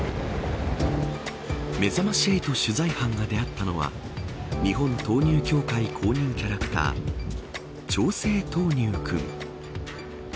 めざまし８取材班が出会ったのは日本豆乳協会公認キャラクターちょうせい豆乳くん。